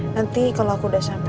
nanti kalau aku udah sampai